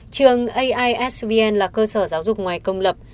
trường aisvn là cơ sở giáo dục ngoài công lập